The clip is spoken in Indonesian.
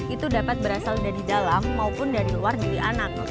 itu dapat berasal dari dalam maupun dari luar diri anak